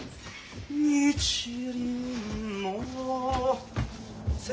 「日輪の」「青」